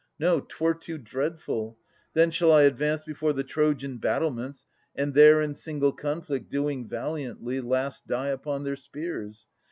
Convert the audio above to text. No ! 'twere too dreadful. Then shall I advance Before the Trojan battlements, and there In single conflict doing valiantly Last die upon their spears?